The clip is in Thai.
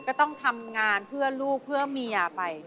ก็ต้องทำงานเพื่อลูกเพื่อเมียไป